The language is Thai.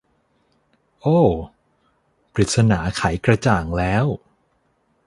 โอ้ว ปริศนาไขกระจ่างแล้ว